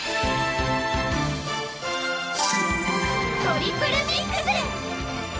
トリプルミックス！